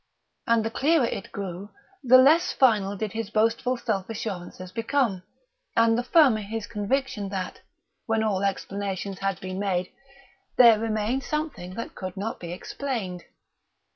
And the clearer it grew, the less final did his boastful self assurances become, and the firmer his conviction that, when all explanations had been made, there remained something that could not be explained.